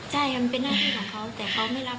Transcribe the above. ใช่มันเป็นหน้าที่ของเขาแต่เขาไม่รับ